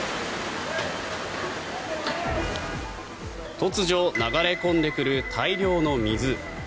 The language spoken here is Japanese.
突如、流れ込んでくる大量の水。